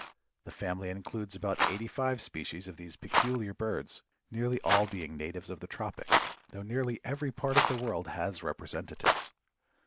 The family includes about eighty five species of these peculiar birds, nearly all being natives of the tropics, though nearly every part of the world has representatives.